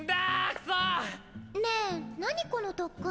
ねぇ何この特訓？